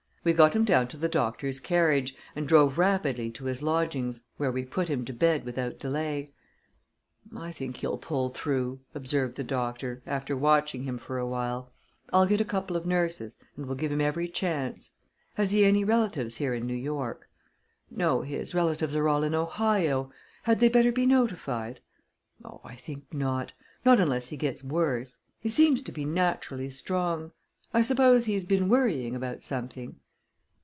We got him down to the doctor's carriage, and drove rapidly to his lodgings, where we put him to bed without delay. "I think he'll pull through," observed the doctor, after watching him for a while. "I'll get a couple of nurses, and we'll give him every chance. Has he any relatives here in New York?" "No; his relatives are all in Ohio. Had they better be notified?" "Oh, I think not not unless he gets worse. He seems to be naturally strong. I suppose he's been worrying about something?"